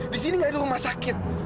di sini nggak ada rumah sakit